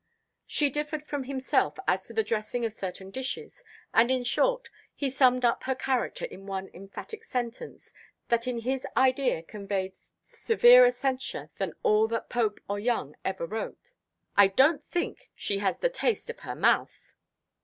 She differed from himself as to the dressing of certain dishes; and, in short, he summed up her character in one emphatic sentence, that in his idea conveyed severer censure than all that Pope or Young ever wrote " I don't think she has the taste of her mouth!"